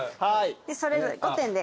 それぞれ５点で。